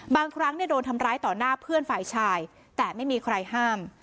บางครั้งโดนทำร้ายต่อหน้าเพื่อนฝ่ายชายแต่ไม่มีใครห้าม